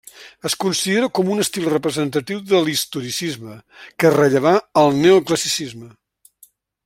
Es considera com un estil representatiu de l'Historicisme, que rellevà el Neoclassicisme.